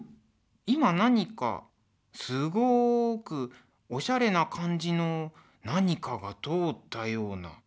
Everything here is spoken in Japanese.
今何かすごくおしゃれな感じの何かが通ったような。